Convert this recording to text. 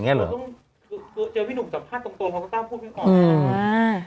เจอพี่หนุ่มสัมภาษณ์ตรงเพราะเขาต้องพูดเพียงอ่อน